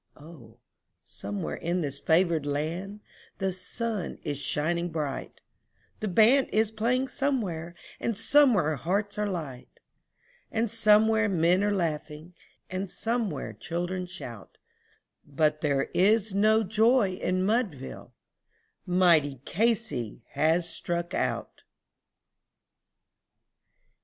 Oh! somewhere in this favored land the sun is shining bright, The band is playing somewhere, and somewhere hearts are light, And somewhere men are laughing, and somewhere children shout; But there is no joy in Mudville mighty Casey has "Struck Out."